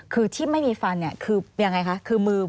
คือที่ไม่มีฟันเนี่ยคือยังไงคะคือมือ